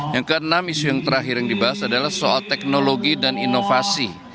yang keenam isu yang terakhir yang dibahas adalah soal teknologi dan inovasi